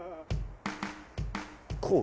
こう？